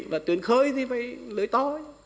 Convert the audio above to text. và tuyển khơi thì phải lưới to